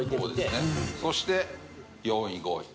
そして４位５位。